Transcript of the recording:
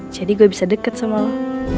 jadi gue bisa deket sama lo